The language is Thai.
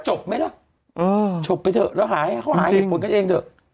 จบไหมล่ะจบไปเถอะแล้วหาให้เขาหาเหตุผลกันเองเถอะ